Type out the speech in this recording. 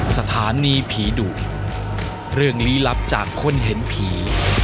สถานีผีดุเรื่องลี้ลับจากคนเห็นผี